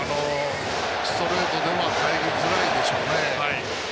ストレートでは入りづらいでしょうね。